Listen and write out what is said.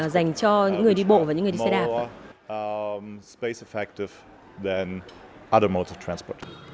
dành cho những người đi bộ và những người đi xe đạp